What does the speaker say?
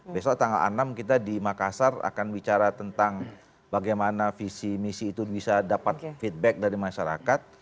besok tanggal enam kita di makassar akan bicara tentang bagaimana visi misi itu bisa dapat feedback dari masyarakat